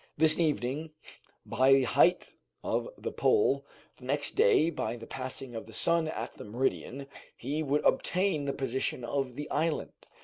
This evening by the height of the pole, the next day by the passing of the sun at the meridian, he would obtain the position of the island.